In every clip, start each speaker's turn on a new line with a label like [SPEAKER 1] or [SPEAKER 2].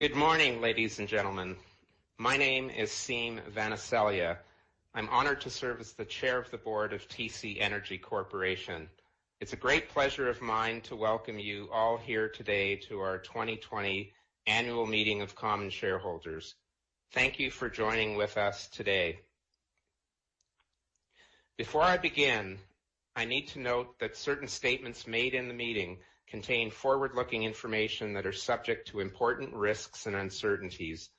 [SPEAKER 1] Good morning, ladies and gentlemen. My name is Siim Vanaselja. I'm honored to serve as the chair of the board of TC Energy Corporation. It's a great pleasure of mine to welcome you all here today to our 2020 annual meeting of common shareholders. Thank you for joining with us today. Before I begin, I need to note that certain statements made in the meeting contain forward-looking information that are subject to important risks and uncertainties.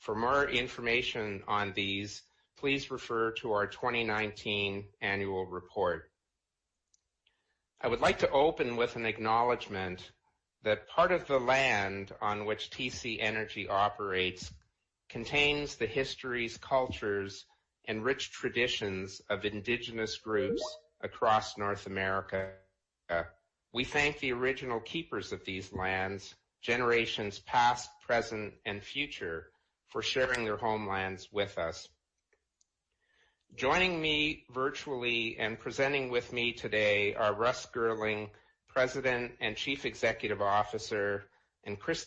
[SPEAKER 1] For more information on these, please refer to our 2019 annual report. I would like to open with an acknowledgement that part of the land on which TC Energy operates contains the histories, cultures, and rich traditions of indigenous groups across North America. We thank the original keepers of these lands, generations past, present, and future, for sharing their homelands with us. Joining me virtually and presenting with me today are Russ Girling, President and Chief Executive Officer, and Chris.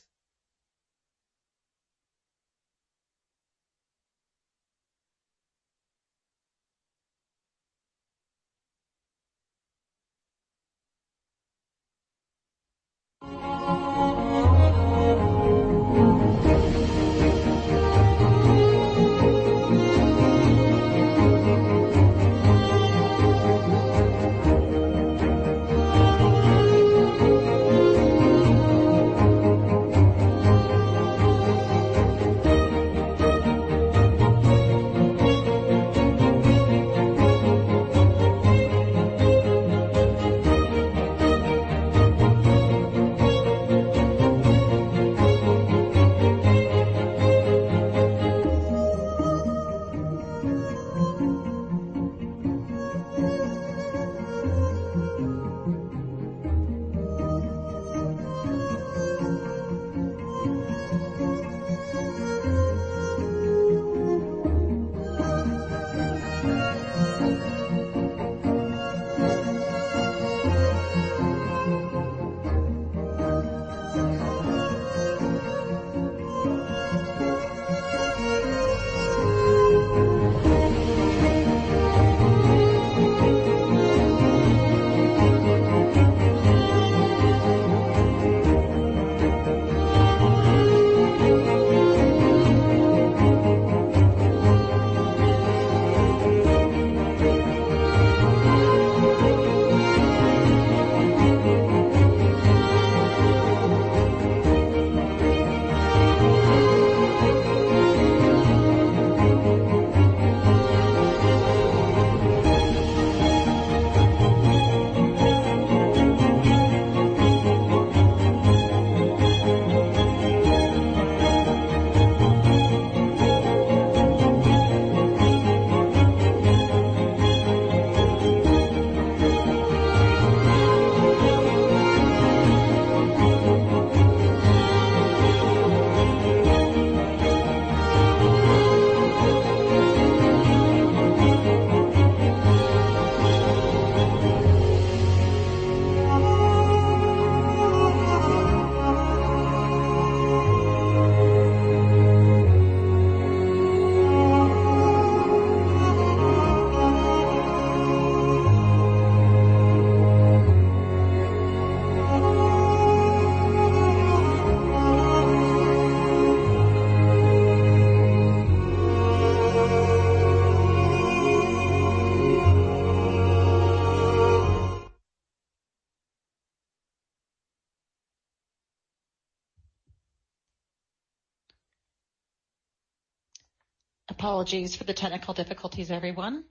[SPEAKER 2] Apologies for the technical difficulties, everyone.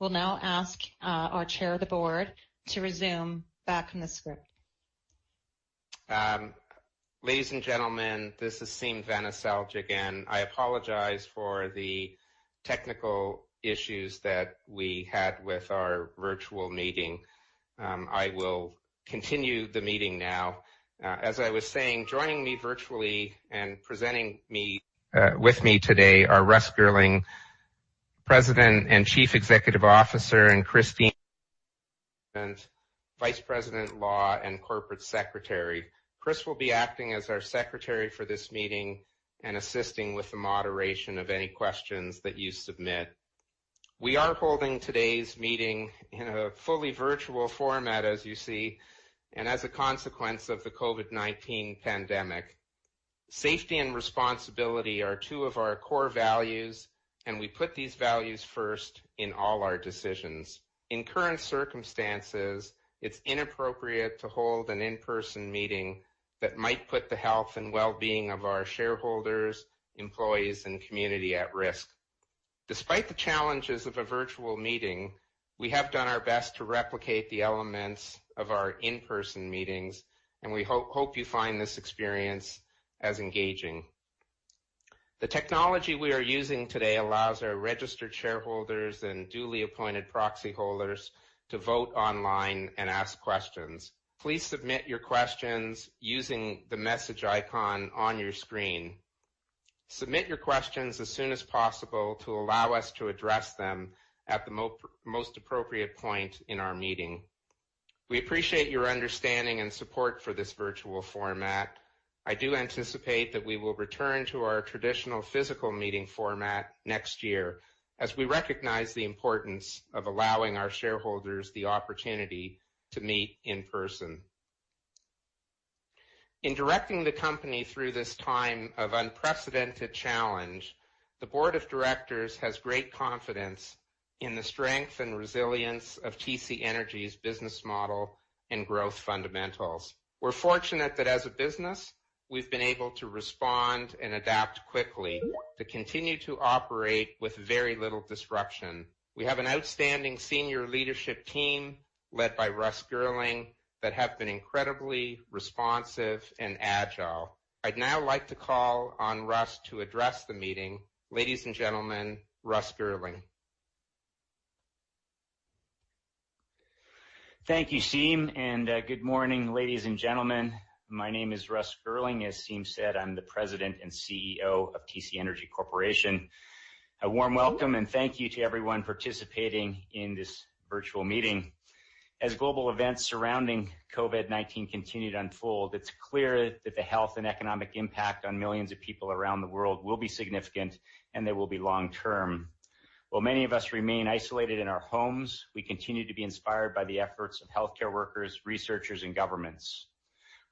[SPEAKER 2] We'll now ask our chair of the board to resume back from the script.
[SPEAKER 1] Ladies and gentlemen, this is Siim Vanaselja again. I apologize for the technical issues that we had with our virtual meeting. I will continue the meeting now. As I was saying, joining me virtually and presenting with me today are Russ Girling, President and Chief Executive Officer, and Christine, Vice President, Law and Corporate Secretary. Chris will be acting as our secretary for this meeting and assisting with the moderation of any questions that you submit. We are holding today's meeting in a fully virtual format, as you see, and as a consequence of the COVID-19 pandemic. Safety and responsibility are two of our core values, and we put these values first in all our decisions. In current circumstances, it's inappropriate to hold an in-person meeting that might put the health and well-being of our shareholders, employees, and community at risk. Despite the challenges of a virtual meeting, we have done our best to replicate the elements of our in-person meetings, and we hope you find this experience as engaging. The technology we are using today allows our registered shareholders and duly appointed proxy holders to vote online and ask questions. Please submit your questions using the message icon on your screen. Submit your questions as soon as possible to allow us to address them at the most appropriate point in our meeting. We appreciate your understanding and support for this virtual format. I do anticipate that we will return to our traditional physical meeting format next year, as we recognize the importance of allowing our shareholders the opportunity to meet in person. In directing the company through this time of unprecedented challenge, the board of directors has great confidence in the strength and resilience of TC Energy's business model and growth fundamentals. We're fortunate that as a business, we've been able to respond and adapt quickly to continue to operate with very little disruption. We have an outstanding senior leadership team led by Russ Girling, that have been incredibly responsive and agile. I'd now like to call on Russ to address the meeting. Ladies and gentlemen, Russ Girling.
[SPEAKER 3] Thank you, Siim. Good morning, ladies and gentlemen. My name is Russ Girling. As Siim said, I'm the President and CEO of TC Energy Corporation. A warm welcome and thank you to everyone participating in this virtual meeting. As global events surrounding COVID-19 continue to unfold, it's clear that the health and economic impact on millions of people around the world will be significant, and they will be long-term. While many of us remain isolated in our homes, we continue to be inspired by the efforts of healthcare workers, researchers, and governments.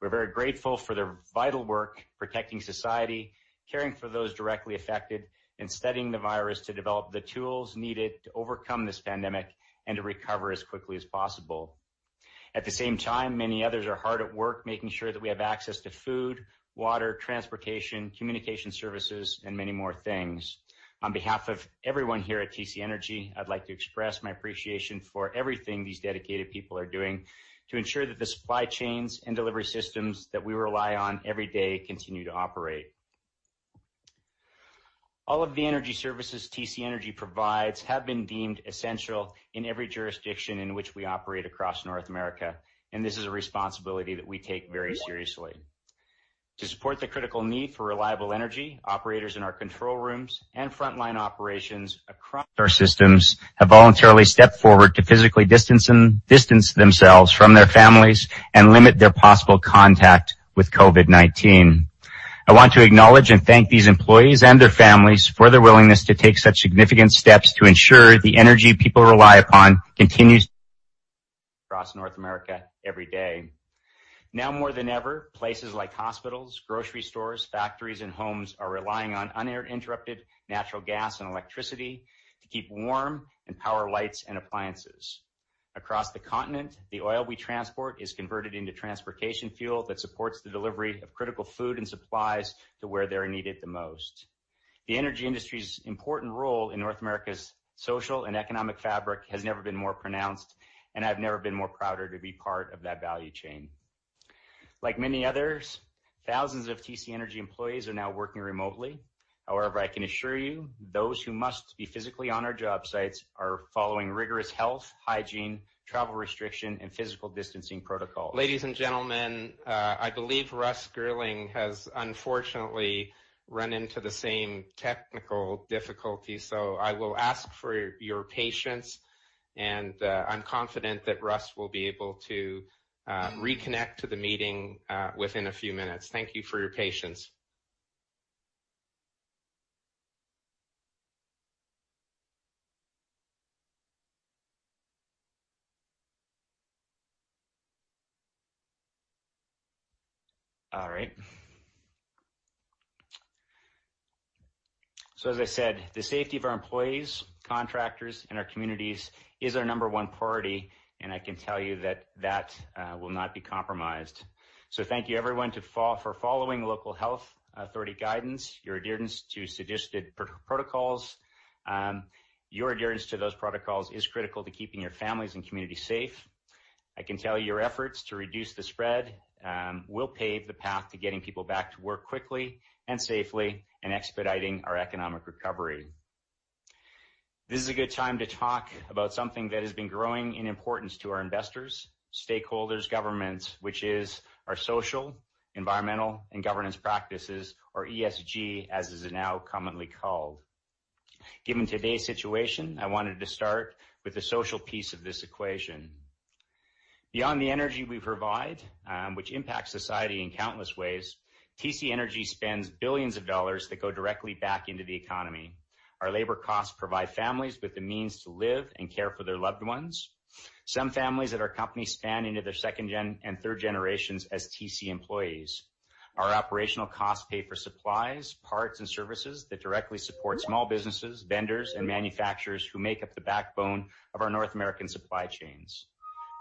[SPEAKER 3] We're very grateful for their vital work protecting society, caring for those directly affected, and studying the virus to develop the tools needed to overcome this pandemic and to recover as quickly as possible. At the same time, many others are hard at work making sure that we have access to food, water, transportation, communication services, and many more things. On behalf of everyone here at TC Energy, I'd like to express my appreciation for everything these dedicated people are doing to ensure that the supply chains and delivery systems that we rely on every day continue to operate. All of the energy services TC Energy provides have been deemed essential in every jurisdiction in which we operate across North America, and this is a responsibility that we take very seriously. To support the critical need for reliable energy, operators in our control rooms and frontline operations across our systems have voluntarily stepped forward to physically distance themselves from their families and limit their possible contact with COVID-19. I want to acknowledge and thank these employees and their families for their willingness to take such significant steps to ensure the energy people rely upon continues across North America every day. Now more than ever, places like hospitals, grocery stores, factories, and homes are relying on uninterrupted natural gas and electricity to keep warm and power lights and appliances. Across the continent, the oil we transport is converted into transportation fuel that supports the delivery of critical food and supplies to where they're needed the most. The energy industry's important role in North America's social and economic fabric has never been more prouder to be part of that value chain. Like many others, thousands of TC Energy employees are now working remotely. However, I can assure you, those who must be physically on our job sites are following rigorous health, hygiene, travel restriction, and physical distancing protocols.
[SPEAKER 1] Ladies and gentlemen, I believe Russ Girling has unfortunately run into the same technical difficulty, so I will ask for your patience, and I'm confident that Russ will be able to reconnect to the meeting within a few minutes. Thank you for your patience.
[SPEAKER 3] All right. As I said, the safety of our employees, contractors, and our communities is our number one priority, and I can tell you that that will not be compromised. Thank you, everyone, for following local health authority guidance, your adherence to suggested protocols. Your adherence to those protocols is critical to keeping your families and community safe. I can tell your efforts to reduce the spread will pave the path to getting people back to work quickly and safely and expediting our economic recovery. This is a good time to talk about something that has been growing in importance to our investors, stakeholders, governments, which is our social, environmental, and governance practices, or ESG, as it is now commonly called. Given today's situation, I wanted to start with the social piece of this equation. Beyond the energy we provide, which impacts society in countless ways, TC Energy spends billions of CAD that go directly back into the economy. Our labor costs provide families with the means to live and care for their loved ones. Some families at our company span into their second and third generations as TC employees. Our operational costs pay for supplies, parts, and services that directly support small businesses, vendors, and manufacturers who make up the backbone of our North American supply chains.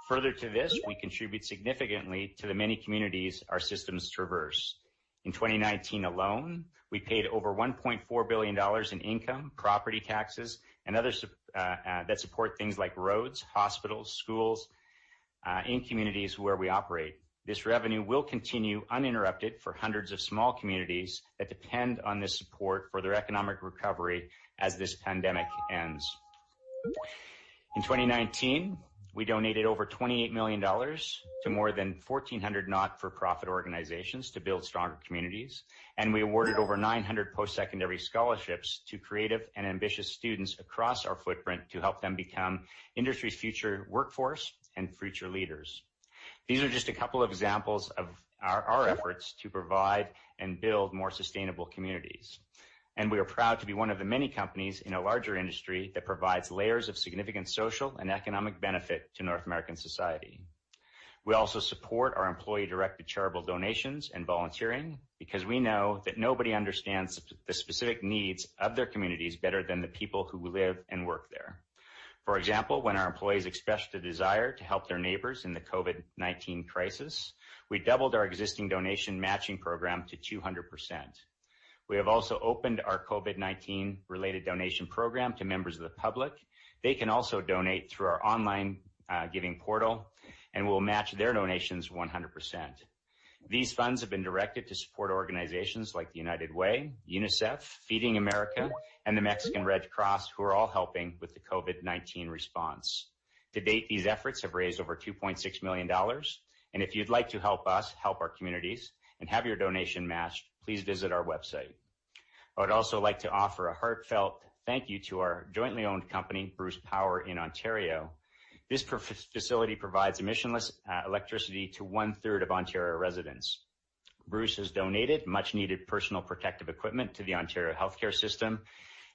[SPEAKER 3] Further to this, we contribute significantly to the many communities our systems traverse. In 2019 alone, we paid over 1.4 billion dollars in income, property taxes, and others that support things like roads, hospitals, schools, in communities where we operate. This revenue will continue uninterrupted for hundreds of small communities that depend on this support for their economic recovery as this pandemic ends. In 2019, we donated over 28 million dollars to more than 1,400 not-for-profit organizations to build stronger communities, and we awarded over 900 post-secondary scholarships to creative and ambitious students across our footprint to help them become the industry's future workforce and future leaders. These are just a couple of examples of our efforts to provide and build more sustainable communities, and we are proud to be one of the many companies in a larger industry that provides layers of significant social and economic benefit to North American society. We also support our employee-directed charitable donations and volunteering because we know that nobody understands the specific needs of their communities better than the people who live and work there. For example, when our employees expressed a desire to help their neighbors in the COVID-19 crisis, we doubled our existing donation matching program to 200%. We have also opened our COVID-19 related donation program to members of the public. They can also donate through our online giving portal. We'll match their donations 100%. These funds have been directed to support organizations like the United Way, UNICEF, Feeding America, and the Mexican Red Cross, who are all helping with the COVID-19 response. To date, these efforts have raised over 2.6 million dollars. If you'd like to help us help our communities and have your donation matched, please visit our website. I would also like to offer a heartfelt thank you to our jointly owned company, Bruce Power in Ontario. This facility provides emissionless electricity to one-third of Ontario residents. Bruce has donated much-needed personal protective equipment to the Ontario healthcare system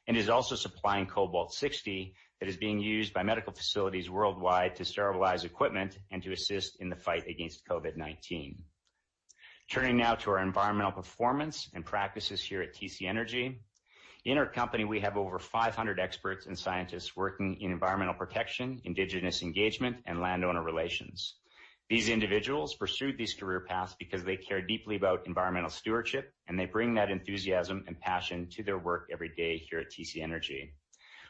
[SPEAKER 3] and is also supplying Cobalt-60 that is being used by medical facilities worldwide to sterilize equipment and to assist in the fight against COVID-19. Turning now to our environmental performance and practices here at TC Energy. In our company, we have over 500 experts and scientists working in environmental protection, Indigenous engagement, and landowner relations. These individuals pursued these career paths because they care deeply about environmental stewardship, and they bring that enthusiasm and passion to their work every day here at TC Energy.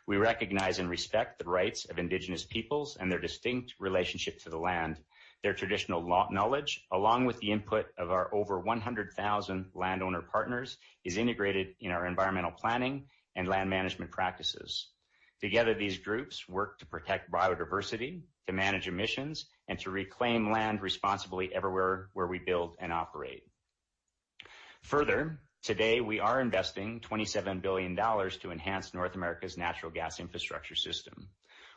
[SPEAKER 3] We recognize and respect the rights of Indigenous peoples and their distinct relationship to the land. Their traditional knowledge, along with the input of our over 100,000 landowner partners, is integrated in our environmental planning and land management practices. Together, these groups work to protect biodiversity, to manage emissions, and to reclaim land responsibly everywhere where we build and operate. Today, we are investing 27 billion dollars to enhance North America's natural gas infrastructure system,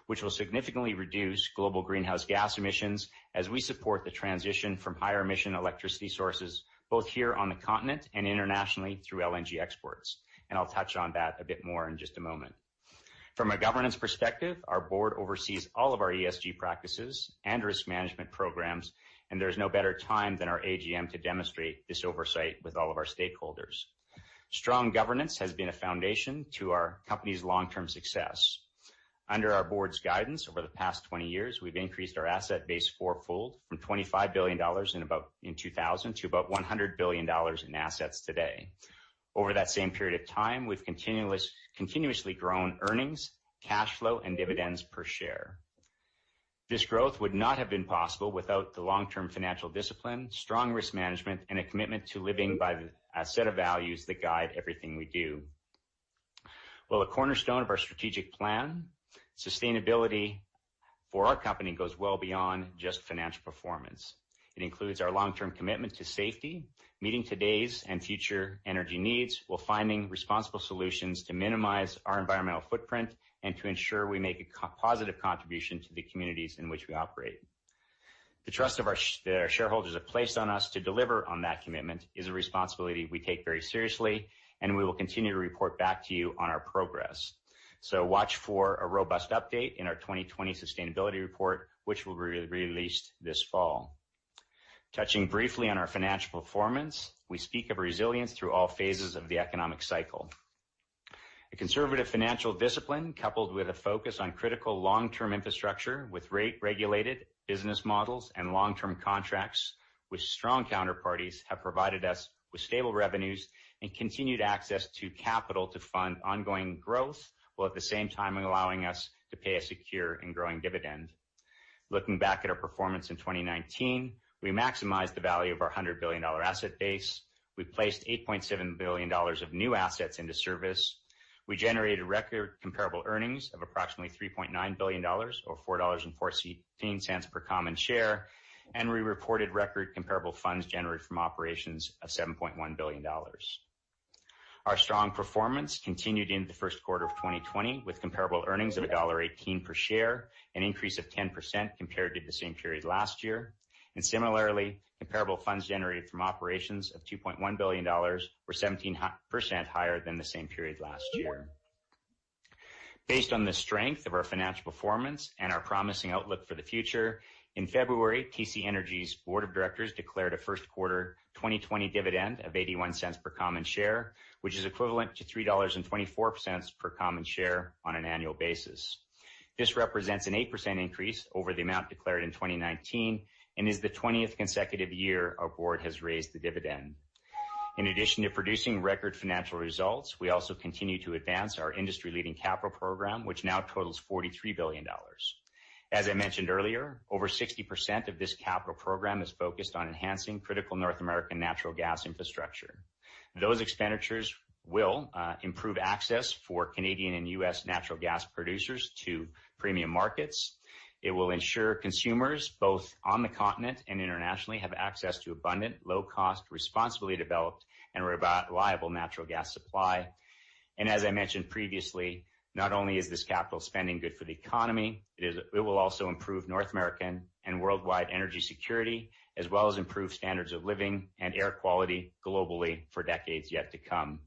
[SPEAKER 3] which will significantly reduce global greenhouse gas emissions as we support the transition from higher emission electricity sources, both here on the continent and internationally through LNG exports. I'll touch on that a bit more in just a moment. From a governance perspective, our board oversees all of our ESG practices and risk management programs, and there's no better time than our AGM to demonstrate this oversight with all of our stakeholders. Strong governance has been a foundation to our company's long-term success. Under our board's guidance over the past 20 years, we've increased our asset base four-fold from 25 billion dollars in 2000 to about 100 billion dollars in assets today. Over that same period of time, we've continuously grown earnings, cash flow, and dividends per share. This growth would not have been possible without the long-term financial discipline, strong risk management, and a commitment to living by a set of values that guide everything we do. While a cornerstone of our strategic plan, sustainability for our company goes well beyond just financial performance. It includes our long-term commitment to safety, meeting today's and future energy needs, while finding responsible solutions to minimize our environmental footprint and to ensure we make a positive contribution to the communities in which we operate. The trust that our shareholders have placed on us to deliver on that commitment is a responsibility we take very seriously, and we will continue to report back to you on our progress. Watch for a robust update in our 2020 sustainability report, which will be released this fall. Touching briefly on our financial performance, we speak of resilience through all phases of the economic cycle. A conservative financial discipline, coupled with a focus on critical long-term infrastructure with rate-regulated business models and long-term contracts with strong counterparties, have provided us with stable revenues and continued access to capital to fund ongoing growth, while at the same time allowing us to pay a secure and growing dividend. Looking back at our performance in 2019, we maximized the value of our 100 billion dollar asset base. We placed 8.7 billion dollars of new assets into service. We generated record comparable earnings of approximately 3.9 billion dollars or 4.14 dollars per common share, and we reported record comparable funds generated from operations of 7.1 billion dollars. Our strong performance continued into the first quarter of 2020 with comparable earnings of dollar 1.18 per share, an increase of 10% compared to the same period last year. Similarly, comparable funds generated from operations of 2.1 billion dollars were 17% higher than the same period last year. Based on the strength of our financial performance and our promising outlook for the future, in February, TC Energy's board of directors declared a first quarter 2020 dividend of 0.81 per common share, which is equivalent to 3.24 dollars per common share on an annual basis. This represents an 8% increase over the amount declared in 2019 and is the 20th consecutive year our board has raised the dividend. In addition to producing record financial results, we also continue to advance our industry-leading capital program, which now totals 43 billion dollars. As I mentioned earlier, over 60% of this capital program is focused on enhancing critical North American natural gas infrastructure. Those expenditures will improve access for Canadian and U.S. natural gas producers to premium markets. It will ensure consumers, both on the continent and internationally, have access to abundant, low-cost, responsibly developed, and reliable natural gas supply. As I mentioned previously, not only is this capital spending good for the economy, it will also improve North American and worldwide energy security, as well as improve standards of living and air quality globally for decades yet to come.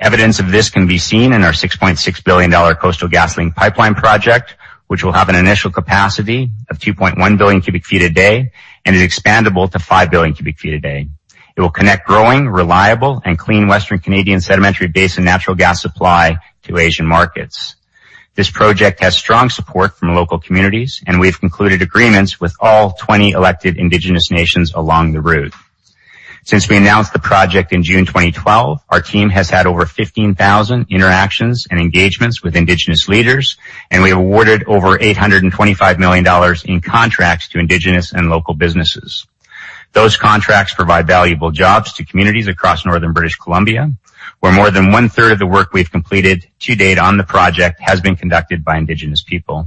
[SPEAKER 3] Evidence of this can be seen in our 6.6 billion dollar Coastal GasLink pipeline project, which will have an initial capacity of 2.1 billion cubic feet a day and is expandable to 5 billion cubic feet a day. It will connect growing, reliable, and clean Western Canadian sedimentary basin natural gas supply to Asian markets. This project has strong support from local communities, and we've concluded agreements with all 20 elected indigenous nations along the route. Since we announced the project in June 2012, our team has had over 15,000 interactions and engagements with Indigenous leaders, and we awarded over 825 million dollars in contracts to Indigenous and local businesses. Those contracts provide valuable jobs to communities across northern British Columbia, where more than one-third of the work we've completed to date on the project has been conducted by Indigenous people.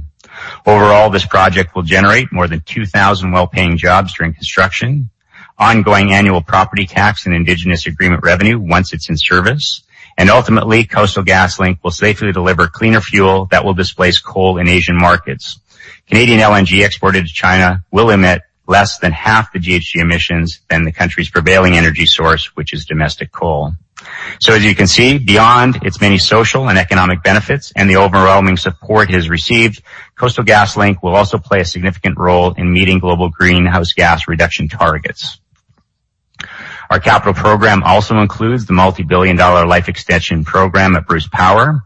[SPEAKER 3] Overall, this project will generate more than 2,000 well-paying jobs during construction, ongoing annual property tax and Indigenous agreement revenue once it's in service, and ultimately, Coastal GasLink will safely deliver cleaner fuel that will displace coal in Asian markets. Canadian LNG exported to China will emit less than half the GHG emissions than the country's prevailing energy source, which is domestic coal. As you can see, beyond its many social and economic benefits and the overwhelming support it has received, Coastal GasLink will also play a significant role in meeting global greenhouse gas reduction targets. Our capital program also includes the multi-billion CAD life extension program at Bruce Power,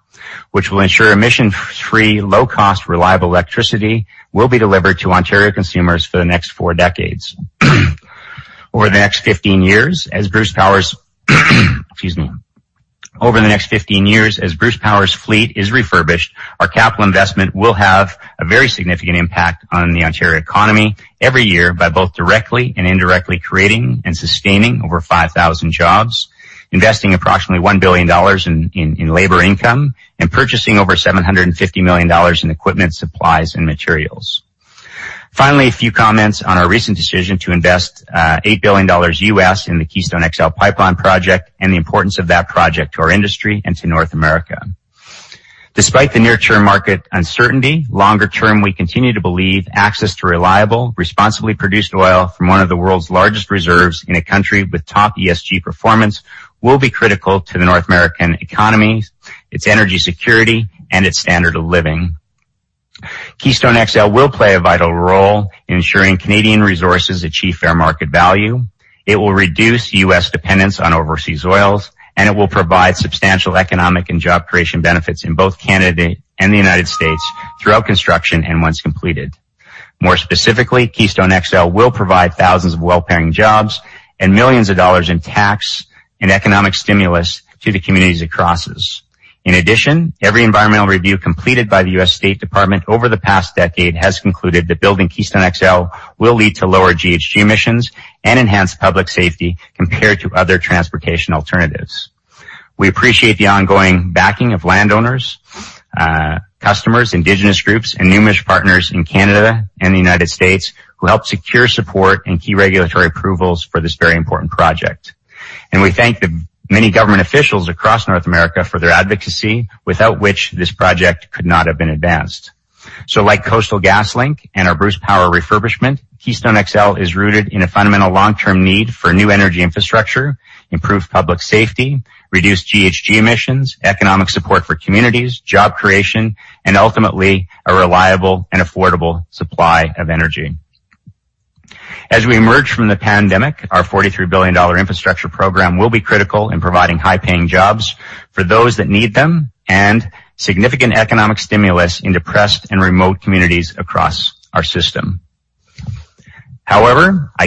[SPEAKER 3] which will ensure emission-free, low cost, reliable electricity will be delivered to Ontario consumers for the next four decades. Over the next 15 years as Bruce Power's fleet is refurbished, our capital investment will have a very significant impact on the Ontario economy every year by both directly and indirectly creating and sustaining over 5,000 jobs, investing approximately 1 billion dollars in labor income, and purchasing over 750 million dollars in equipment, supplies, and materials. Finally, a few comments on our recent decision to invest $8 billion in the Keystone XL Pipeline project and the importance of that project to our industry and to North America. Despite the near-term market uncertainty, longer term, we continue to believe access to reliable, responsibly produced oil from one of the world's largest reserves in a country with top ESG performance will be critical to the North American economy, its energy security, and its standard of living. Keystone XL will play a vital role in ensuring Canadian resources achieve fair market value. It will reduce U.S. dependence on overseas oils, it will provide substantial economic and job creation benefits in both Canada and the United States throughout construction and once completed. More specifically, Keystone XL will provide thousands of well-paying jobs and millions of CAD in tax and economic stimulus to the communities it crosses. In addition, every environmental review completed by the U.S. State Department over the past decade has concluded that building Keystone XL will lead to lower GHG emissions and enhanced public safety compared to other transportation alternatives. We appreciate the ongoing backing of landowners, customers, indigenous groups, and numerous partners in Canada and the United States who helped secure support and key regulatory approvals for this very important project. We thank the many government officials across North America for their advocacy, without which this project could not have been advanced. Like Coastal GasLink and our Bruce Power refurbishment, Keystone XL is rooted in a fundamental long-term need for new energy infrastructure, improved public safety, reduced GHG emissions, economic support for communities, job creation, and ultimately, a reliable and affordable supply of energy. I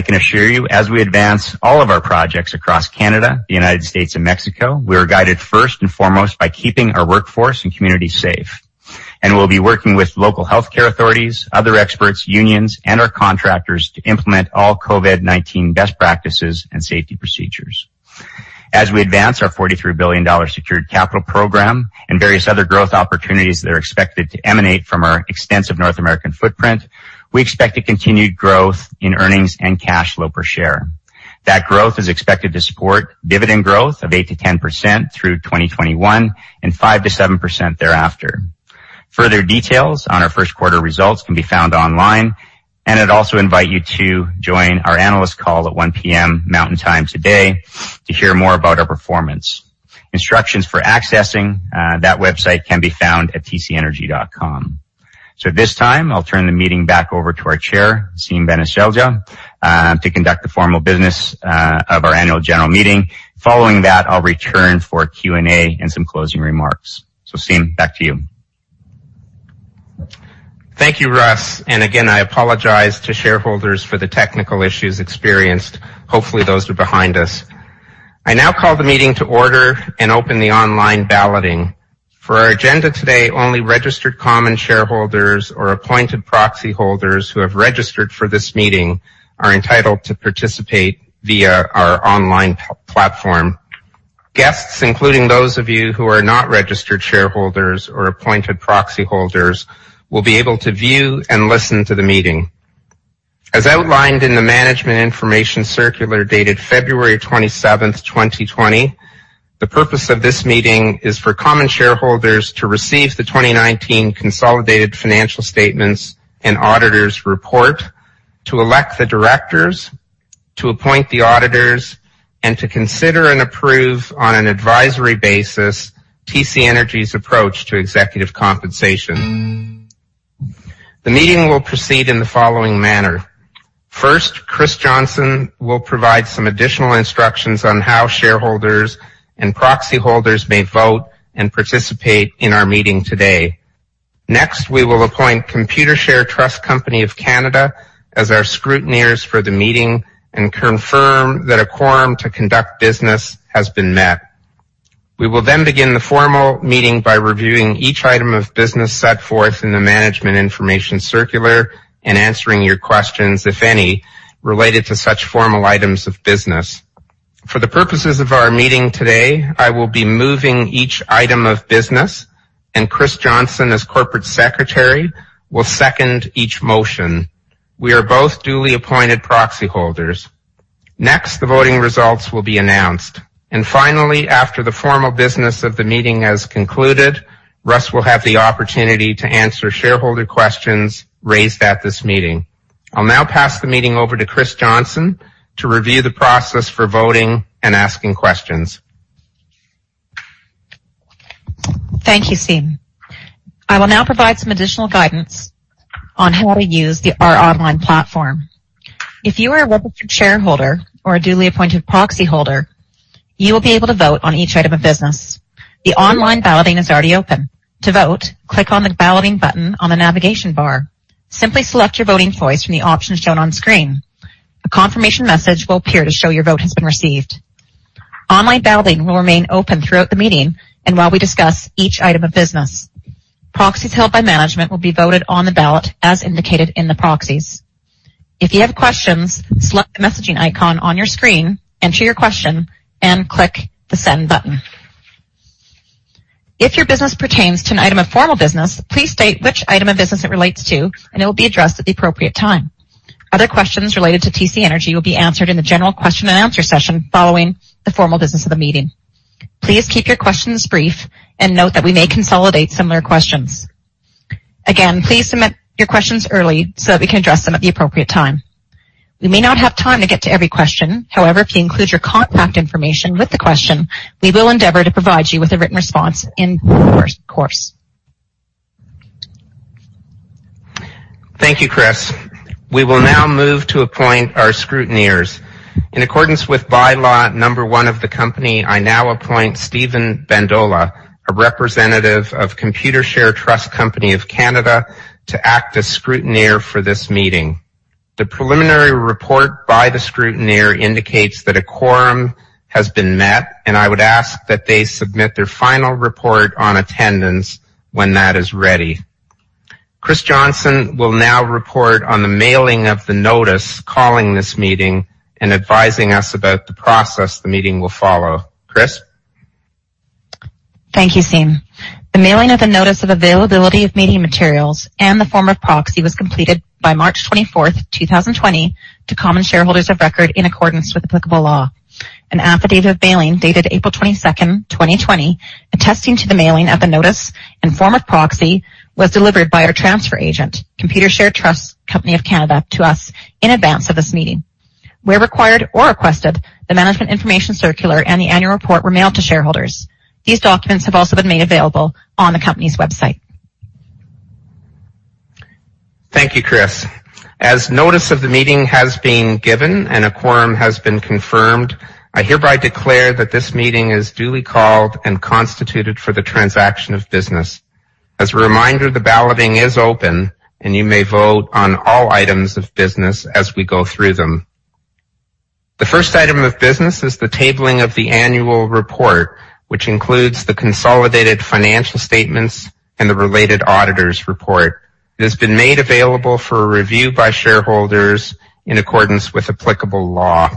[SPEAKER 3] can assure you, as we advance all of our projects across Canada, the United States, and Mexico, we are guided first and foremost by keeping our workforce and community safe. We'll be working with local healthcare authorities, other experts, unions, and our contractors to implement all COVID-19 best practices and safety procedures. As we advance our 43 billion dollar secured capital program and various other growth opportunities that are expected to emanate from our extensive North American footprint, we expect a continued growth in earnings and cash flow per share. That growth is expected to support dividend growth of 8%-10% through 2021 and 5%-7% thereafter. Further details on our first quarter results can be found online, and I'd also invite you to join our analyst call at 1:00 P.M. Mountain Time today to hear more about our performance. Instructions for accessing that website can be found at tcenergy.com. At this time, I'll turn the meeting back over to our chair, Siim Vanaselja, to conduct the formal business of our annual general meeting. Following that, I'll return for Q&A and some closing remarks. Siim, back to you.
[SPEAKER 1] Thank you, Russ. Again, I apologize to shareholders for the technical issues experienced. Hopefully, those are behind us. I now call the meeting to order and open the online balloting. For our agenda today, only registered common shareholders or appointed proxy holders who have registered for this meeting are entitled to participate via our online platform. Guests, including those of you who are not registered shareholders or appointed proxy holders, will be able to view and listen to the meeting. As outlined in the management information circular dated February 27th, 2020, the purpose of this meeting is for common shareholders to receive the 2019 consolidated financial statements and auditor's report, to elect the directors, to appoint the auditors, and to consider and approve on an advisory basis TC Energy's approach to executive compensation. The meeting will proceed in the following manner. First, Chris Johnston will provide some additional instructions on how shareholders and proxy holders may vote and participate in our meeting today. Next, we will appoint Computershare Trust Company of Canada as our scrutineers for the meeting and confirm that a quorum to conduct business has been met. We will then begin the formal meeting by reviewing each item of business set forth in the management information circular and answering your questions, if any, related to such formal items of business. For the purposes of our meeting today, I will be moving each item of business, and Chris Johnston, as Corporate Secretary, will second each motion. We are both duly appointed proxy holders. Next, the voting results will be announced. Finally, after the formal business of the meeting has concluded, Russ will have the opportunity to answer shareholder questions raised at this meeting. I'll now pass the meeting over to Chris Johnston to review the process for voting and asking questions.
[SPEAKER 2] Thank you, Siim. I will now provide some additional guidance on how to use our online platform. If you are a registered shareholder or a duly appointed proxy holder, you will be able to vote on each item of business. The online balloting is already open. To vote, click on the balloting button on the navigation bar. Simply select your voting choice from the options shown on screen. A confirmation message will appear to show your vote has been received. Online balloting will remain open throughout the meeting and while we discuss each item of business. Proxies held by management will be voted on the ballot as indicated in the proxies. If you have questions, select the messaging icon on your screen, enter your question, and click the send button. If your business pertains to an item of formal business, please state which item of business it relates to and it will be addressed at the appropriate time. Other questions related to TC Energy will be answered in the general question and answer session following the formal business of the meeting. Please keep your questions brief and note that we may consolidate similar questions. Again, please submit your questions early so that we can address them at the appropriate time. We may not have time to get to every question. However, if you include your contact information with the question, we will endeavor to provide you with a written response in due course.
[SPEAKER 1] Thank you, Chris. We will now move to appoint our scrutineers. In accordance with bylaw number one of the company, I now appoint Steven Bandola, a representative of Computershare Trust Company of Canada, to act as scrutineer for this meeting. The preliminary report by the scrutineer indicates that a quorum has been met, and I would ask that they submit their final report on attendance when that is ready. Chris Johnston will now report on the mailing of the notice calling this meeting and advising us about the process the meeting will follow. Chris?
[SPEAKER 2] Thank you, Siim. The mailing of the notice of availability of meeting materials and the form of proxy was completed by March 24th, 2020 to common shareholders of record in accordance with applicable law. An affidavit of mailing dated April 22nd, 2020, attesting to the mailing of the notice and form of proxy, was delivered by our transfer agent, Computershare Trust Company of Canada, to us in advance of this meeting. Where required or requested, the management information circular and the annual report were mailed to shareholders. These documents have also been made available on the company's website.
[SPEAKER 1] Thank you, Chris. As notice of the meeting has been given and a quorum has been confirmed, I hereby declare that this meeting is duly called and constituted for the transaction of business. As a reminder, the balloting is open, and you may vote on all items of business as we go through them. The first item of business is the tabling of the annual report, which includes the consolidated financial statements and the related auditor's report. It has been made available for review by shareholders in accordance with applicable law.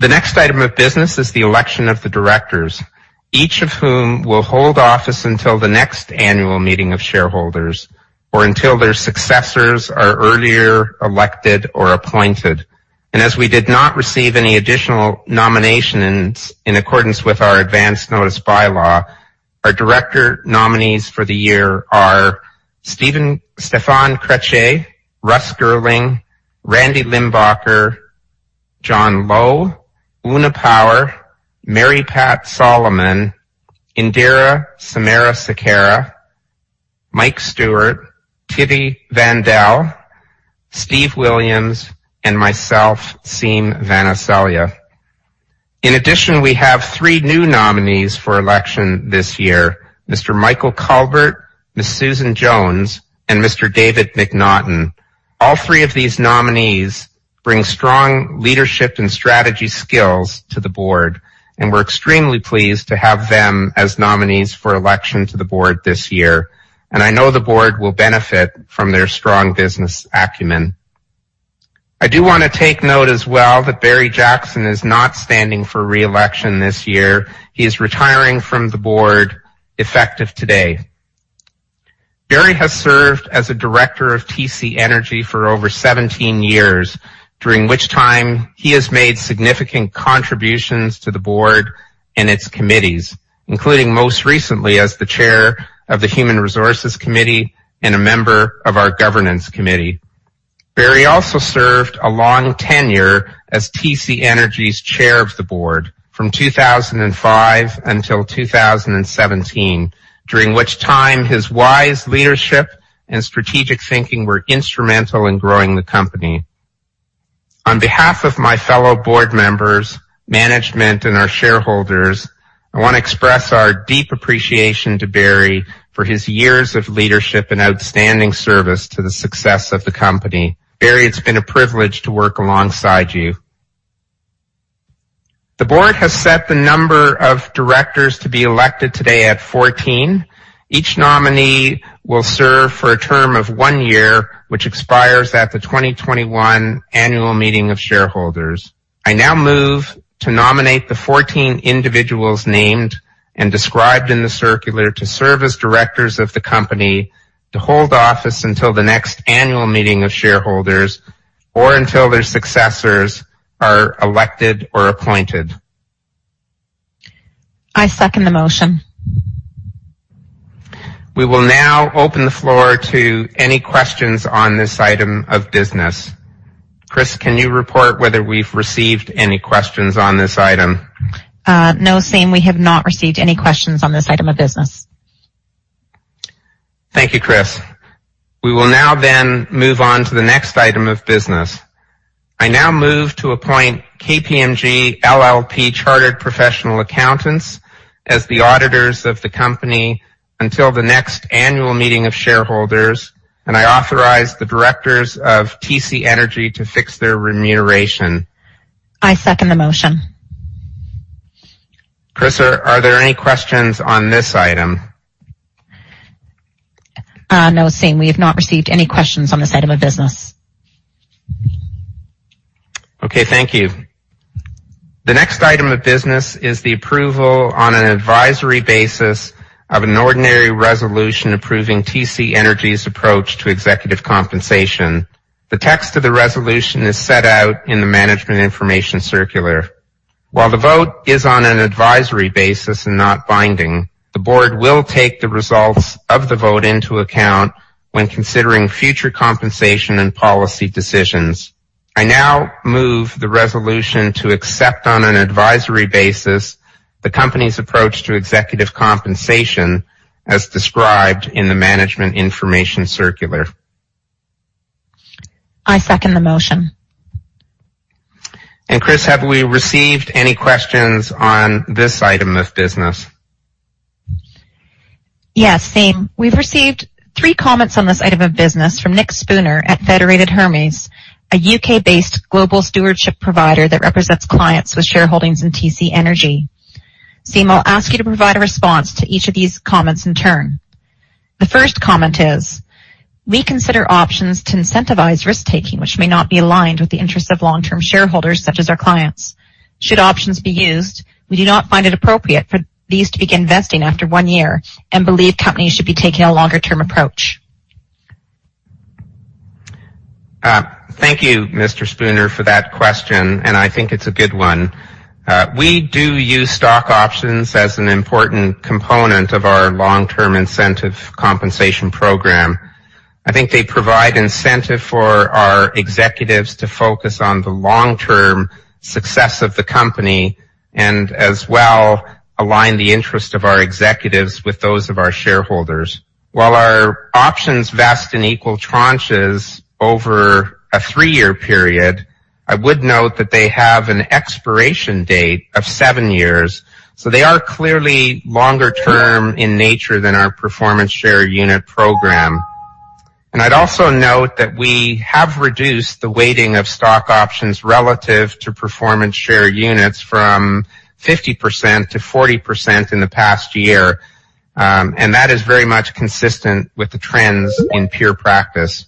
[SPEAKER 1] The next item of business is the election of the directors, each of whom will hold office until the next annual meeting of shareholders or until their successors are earlier elected or appointed. As we did not receive any additional nominations in accordance with our advance notice bylaw, our director nominees for the year are Stéphan Crétier, Russ Girling, Randy Limbacher, John Lowe, Una Power, Mary Pat Salomone, Indira Samarasekera, Mike Stewart, Thierry Vandal, Steven Williams, and myself, Siim Vanaselja. In addition, we have three new nominees for election this year, Mr. Michael Culbert, Ms. Susan Jones, and Mr. David MacNaughton. All three of these nominees bring strong leadership and strategy skills to the board, and we're extremely pleased to have them as nominees for election to the board this year, and I know the board will benefit from their strong business acumen. I do want to take note as well that Barry Jackson is not standing for re-election this year. He is retiring from the board effective today. Barry has served as a director of TC Energy for over 17 years, during which time he has made significant contributions to the board and its committees, including most recently as the chair of the Human Resources Committee and a member of our Governance Committee. Barry also served a long tenure as TC Energy's chair of the board from 2005 until 2017, during which time his wise leadership and strategic thinking were instrumental in growing the company. On behalf of my fellow board members, management, and our shareholders, I want to express our deep appreciation to Barry for his years of leadership and outstanding service to the success of the company. Barry, it's been a privilege to work alongside you. The board has set the number of directors to be elected today at 14. Each nominee will serve for a term of one year, which expires at the 2021 annual meeting of shareholders. I now move to nominate the 14 individuals named and described in the circular to serve as directors of the company, to hold office until the next annual meeting of shareholders, or until their successors are elected or appointed.
[SPEAKER 2] I second the motion.
[SPEAKER 1] We will now open the floor to any questions on this item of business. Chris, can you report whether we've received any questions on this item?
[SPEAKER 2] No, Siim. We have not received any questions on this item of business.
[SPEAKER 1] Thank you, Chris. We will now move on to the next item of business. I now move to appoint KPMG LLP Chartered Professional Accountants as the auditors of the company until the next annual meeting of shareholders, and I authorize the directors of TC Energy to fix their remuneration.
[SPEAKER 2] I second the motion.
[SPEAKER 1] Chris, are there any questions on this item?
[SPEAKER 2] No, Siim, we have not received any questions on this item of business.
[SPEAKER 1] Okay, thank you. The next item of business is the approval on an advisory basis of an ordinary resolution approving TC Energy's approach to executive compensation. The text of the resolution is set out in the management information circular. While the vote is on an advisory basis and not binding, the board will take the results of the vote into account when considering future compensation and policy decisions. I now move the resolution to accept, on an advisory basis, the company's approach to executive compensation as described in the management information circular.
[SPEAKER 2] I second the motion.
[SPEAKER 1] Chris, have we received any questions on this item of business?
[SPEAKER 2] Yes, Siim. We've received three comments on this item of business from Nick Spooner at Federated Hermes, a U.K.-based global stewardship provider that represents clients with shareholdings in TC Energy. Siim, I'll ask you to provide a response to each of these comments in turn. The first comment is, "We consider options to incentivize risk-taking, which may not be aligned with the interest of long-term shareholders such as our clients. Should options be used, we do not find it appropriate for these to begin vesting after one year and believe companies should be taking a longer-term approach.
[SPEAKER 1] Thank you, Mr. Spooner, for that question. I think it's a good one. We do use stock options as an important component of our long-term incentive compensation program. I think they provide incentive for our executives to focus on the long-term success of the company and as well align the interest of our executives with those of our shareholders. While our options vest in equal tranches over a three-year period, I would note that they have an expiration date of seven years. They are clearly longer term in nature than our performance share unit program. I'd also note that we have reduced the weighting of stock options relative to performance share units from 50%-40% in the past year. That is very much consistent with the trends in peer practice.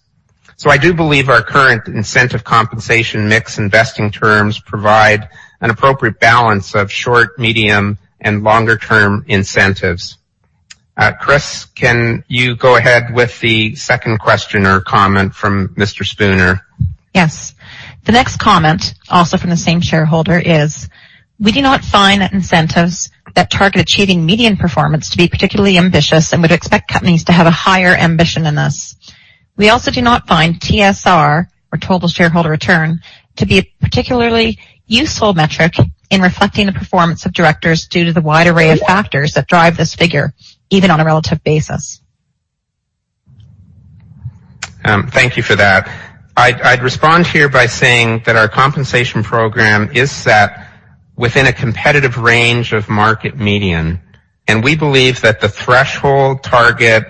[SPEAKER 1] I do believe our current incentive compensation mix and vesting terms provide an appropriate balance of short, medium, and longer term incentives. Chris, can you go ahead with the second question or comment from Mr. Spooner?
[SPEAKER 2] Yes. The next comment, also from the same shareholder, is, "We do not find that incentives that target achieving median performance to be particularly ambitious and would expect companies to have a higher ambition than this. We also do not find TSR, or total shareholder return, to be a particularly useful metric in reflecting the performance of directors due to the wide array of factors that drive this figure, even on a relative basis.
[SPEAKER 1] Thank you for that. I'd respond here by saying that our compensation program is set within a competitive range of market median, and we believe that the threshold, target,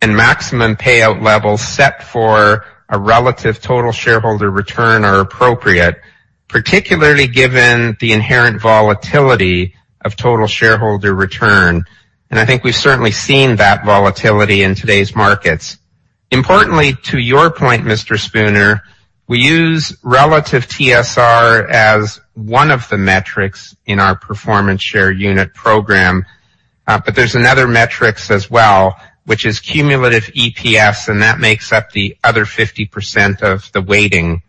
[SPEAKER 1] and maximum payout levels set for a relative total shareholder return are appropriate, particularly given the inherent volatility of total shareholder return. I think we've certainly seen that volatility in today's markets. Importantly, to your point, Mr. Spooner, we use relative TSR as one of the metrics in our performance share unit program. There's another metric as well, which is cumulative EPS, and that makes up the other 50% of the weighting.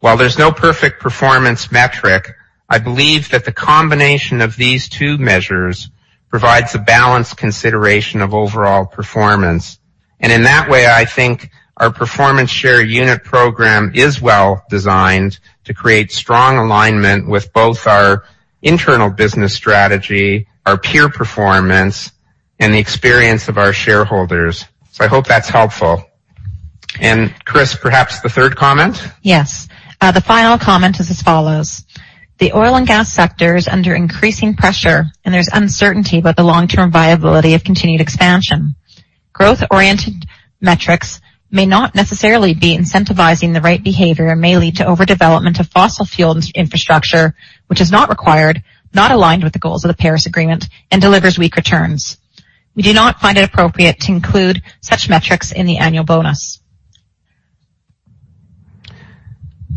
[SPEAKER 1] While there's no perfect performance metric, I believe that the combination of these two measures provides a balanced consideration of overall performance. In that way, I think our performance share unit program is well designed to create strong alignment with both our internal business strategy, our peer performance, and the experience of our shareholders. I hope that's helpful. Chris, perhaps the third comment?
[SPEAKER 2] Yes. The final comment is as follows. The oil and gas sector is under increasing pressure, and there's uncertainty about the long-term viability of continued expansion. Growth-oriented metrics may not necessarily be incentivizing the right behavior and may lead to overdevelopment of fossil fuel infrastructure, which is not required, not aligned with the goals of the Paris Agreement, and delivers weak returns. We do not find it appropriate to include such metrics in the annual bonus.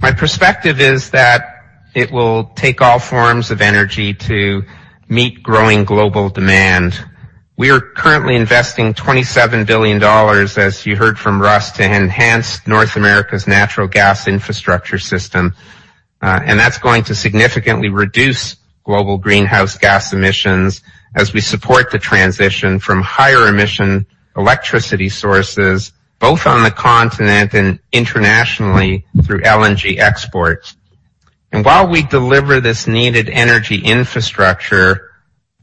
[SPEAKER 1] My perspective is that it will take all forms of energy to meet growing global demand. We are currently investing 27 billion dollars, as you heard from Russ, to enhance North America's natural gas infrastructure system. That's going to significantly reduce global greenhouse gas emissions as we support the transition from higher emission electricity sources, both on the continent and internationally through LNG exports. While we deliver this needed energy infrastructure,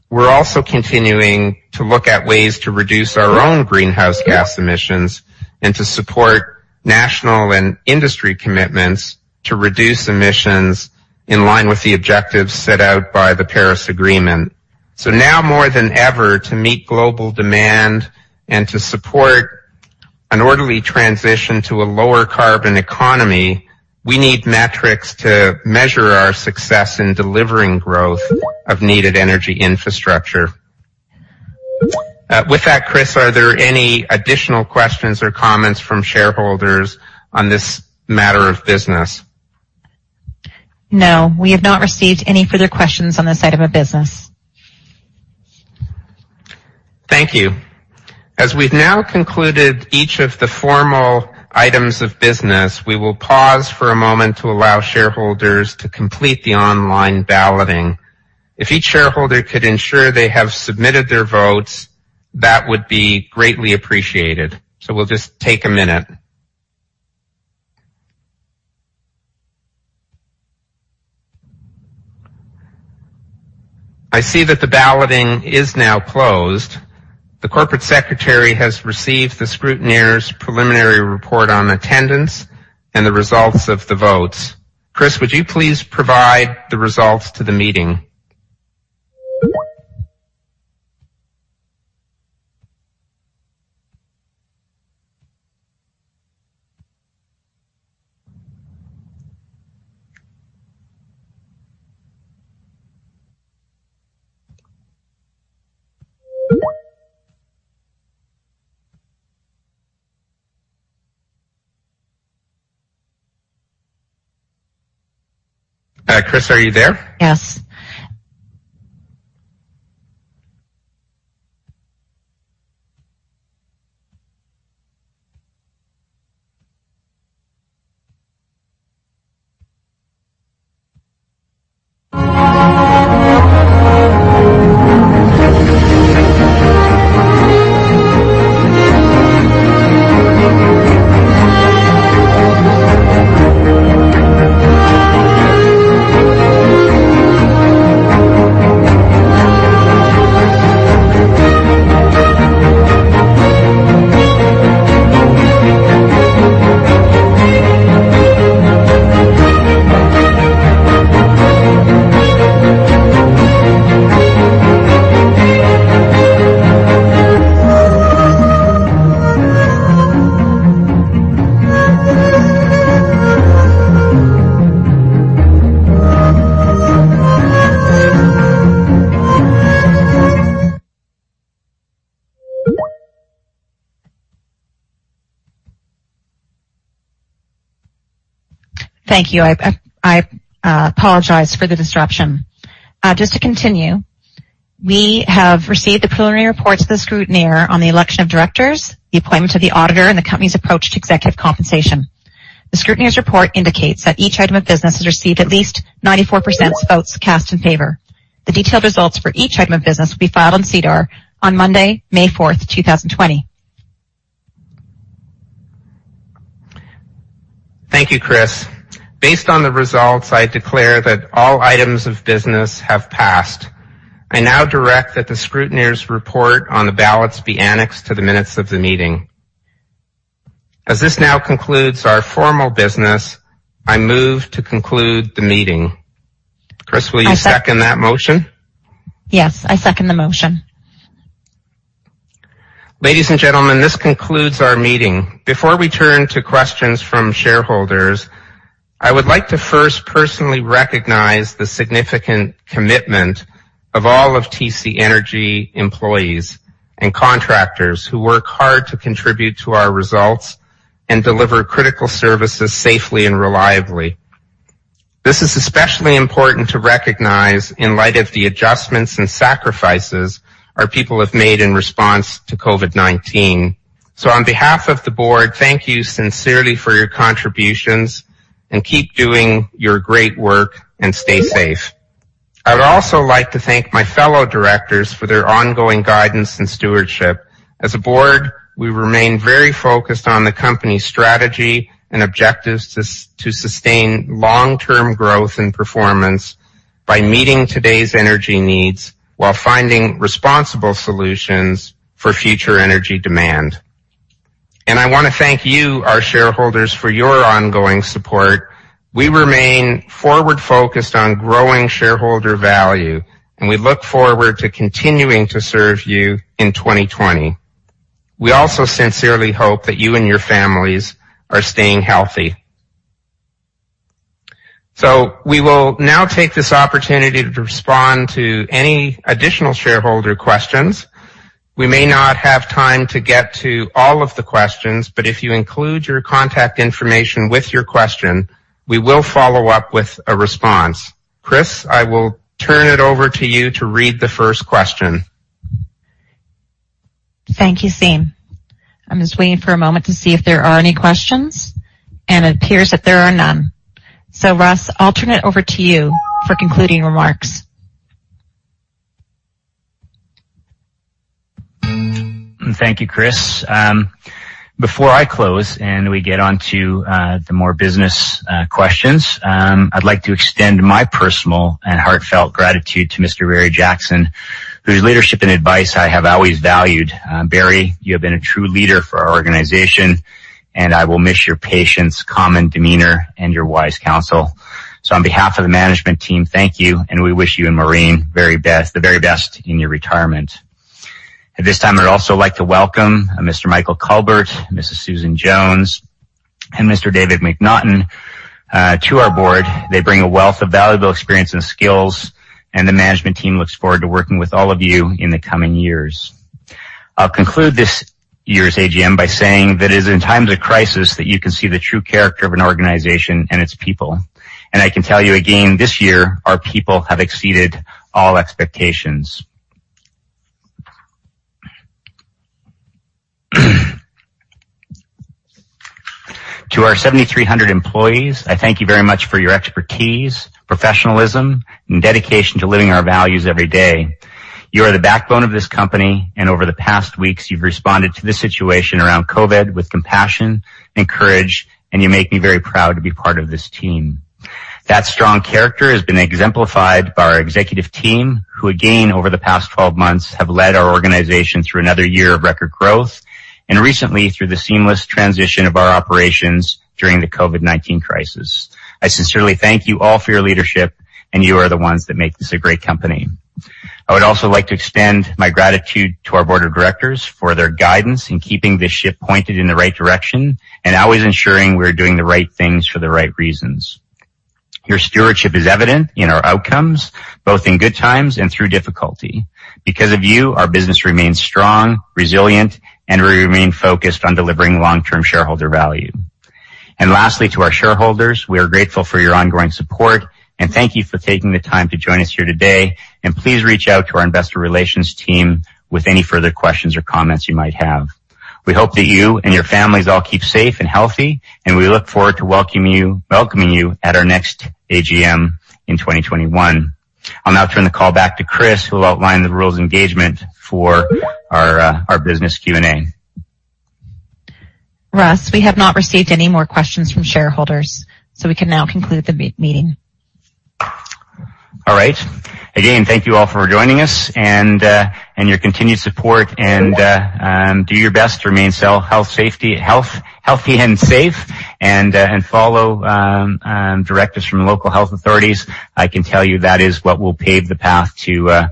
[SPEAKER 1] we're also continuing to look at ways to reduce our own greenhouse gas emissions and to support national and industry commitments to reduce emissions in line with the objectives set out by the Paris Agreement. Now more than ever, to meet global demand and to support an orderly transition to a lower carbon economy, we need metrics to measure our success in delivering growth of needed energy infrastructure. With that, Chris, are there any additional questions or comments from shareholders on this matter of business?
[SPEAKER 2] No, we have not received any further questions on this item of business.
[SPEAKER 1] Thank you. As we've now concluded each of the formal items of business, we will pause for a moment to allow shareholders to complete the online balloting. If each shareholder could ensure they have submitted their votes, that would be greatly appreciated. We'll just take a minute. I see that the balloting is now closed. The Corporate Secretary has received the scrutineer's preliminary report on attendance and the results of the votes. Chris, would you please provide the results to the meeting? Chris, are you there?
[SPEAKER 2] Yes. Thank you. I apologize for the disruption. Just to continue, we have received the preliminary reports of the scrutineer on the election of directors, the appointment of the auditor, and the company's approach to executive compensation. The scrutineer's report indicates that each item of business has received at least 94% of votes cast in favor. The detailed results for each item of business will be filed on SEDAR on Monday, 4th May 2020.
[SPEAKER 1] Thank you, Chris. Based on the results, I declare that all items of business have passed. I now direct that the scrutineer's report on the ballots be annexed to the minutes of the meeting. As this now concludes our formal business, I move to conclude the meeting. Chris.
[SPEAKER 2] I sec
[SPEAKER 1] second that motion?
[SPEAKER 2] Yes, I second the motion.
[SPEAKER 1] Ladies and gentlemen, this concludes our meeting. Before we turn to questions from shareholders, I would like to first personally recognize the significant commitment of all of TC Energy employees and contractors who work hard to contribute to our results and deliver critical services safely and reliably. This is especially important to recognize in light of the adjustments and sacrifices our people have made in response to COVID-19. On behalf of the board, thank you sincerely for your contributions, and keep doing your great work, and stay safe. I would also like to thank my fellow directors for their ongoing guidance and stewardship. As a board, we remain very focused on the company's strategy and objectives to sustain long-term growth and performance by meeting today's energy needs while finding responsible solutions for future energy demand. I want to thank you, our shareholders, for your ongoing support. We remain forward-focused on growing shareholder value, and we look forward to continuing to serve you in 2020. We also sincerely hope that you and your families are staying healthy. We will now take this opportunity to respond to any additional shareholder questions. We may not have time to get to all of the questions, but if you include your contact information with your question, we will follow up with a response. Chris, I will turn it over to you to read the first question.
[SPEAKER 2] Thank you, Siim. I'm just waiting for a moment to see if there are any questions. It appears that there are none. Russ, I'll turn it over to you for concluding remarks.
[SPEAKER 3] Thank you, Chris. Before I close and we get onto the more business questions, I'd like to extend my personal and heartfelt gratitude to Mr. Barry Jackson, whose leadership and advice I have always valued. Barry, you have been a true leader for our organization, and I will miss your patience, calm, and demeanor, and your wise counsel. On behalf of the management team, thank you, and we wish you and Maureen the very best in your retirement. At this time, I'd also like to welcome Mr. Michael Culbert, Mrs. Susan Jones, and Mr. David MacNaughton to our board. They bring a wealth of valuable experience and skills, and the management team looks forward to working with all of you in the coming years. I'll conclude this year's AGM by saying that it is in times of crisis that you can see the true character of an organization and its people. I can tell you again, this year, our people have exceeded all expectations. To our 7,300 employees, I thank you very much for your expertise, professionalism, and dedication to living our values every day. You are the backbone of this company, and over the past weeks, you've responded to this situation around COVID with compassion and courage, and you make me very proud to be part of this team. That strong character has been exemplified by our executive team, who again, over the past 12 months, have led our organization through another year of record growth, and recently through the seamless transition of our operations during the COVID-19 crisis. I sincerely thank you all for your leadership, and you are the ones that make this a great company. I would also like to extend my gratitude to our board of directors for their guidance in keeping this ship pointed in the right direction and always ensuring we're doing the right things for the right reasons. Your stewardship is evident in our outcomes, both in good times and through difficulty. Because of you, our business remains strong, resilient, and we remain focused on delivering long-term shareholder value. Lastly, to our shareholders, we are grateful for your ongoing support, and thank you for taking the time to join us here today, and please reach out to our investor relations team with any further questions or comments you might have. We hope that you and your families all keep safe and healthy, and we look forward to welcoming you at our next AGM in 2021. I'll now turn the call back to Chris, who will outline the rules of engagement for our business Q&A.
[SPEAKER 2] Russ, we have not received any more questions from shareholders, so we can now conclude the meeting.
[SPEAKER 3] All right. Again, thank you all for joining us and your continued support. Do your best to remain healthy and safe and follow directives from local health authorities. I can tell you that is what will pave the path to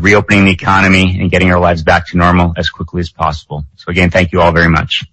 [SPEAKER 3] reopening the economy and getting our lives back to normal as quickly as possible. Again, thank you all very much.